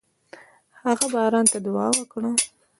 هغه باران ته دعا وکړه.